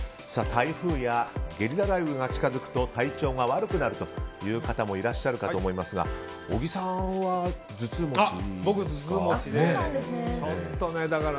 台風やゲリラ雷雨が近づくと体調が悪くなるという方もいらっしゃるかと思いますが小木さんは頭痛持ちですか？